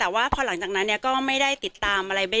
แต่ว่าพอหลังจากนั้นก็ไม่ได้ติดตามอะไร